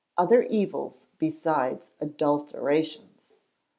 Other Evils besides "Adulterations."